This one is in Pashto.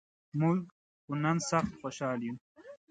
مونږ خو نن سخت خوشال یوو.